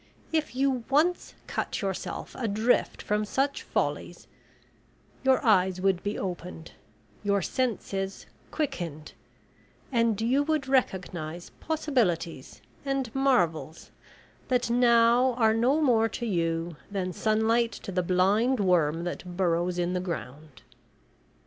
If you once cut yourself adrift from such follies, your eyes would be opened, your senses quickened, and you would recognise possibilities and marvels that now are no more to you than sunlight to the blind worm that burrows in the ground."